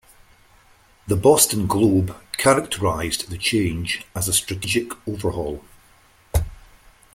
The Boston Globe characterized the change as a strategic overhaul.